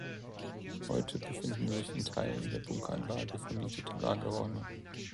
Heute befinden sich in Teilen der Bunkeranlage vermietete Lagerräume.